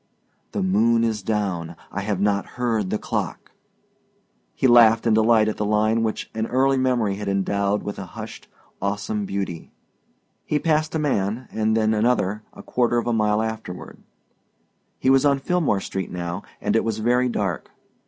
"The moon is down I have not heard the clock!" He laughed in delight at the line which an early memory had endowed with a hushed awesome beauty. He passed a man and then another a quarter of mile afterward. He was on Philmore Street now and it was very dark.